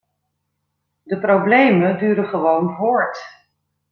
De problemen duren gewoon voort.